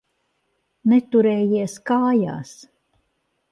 Neturējies kājās.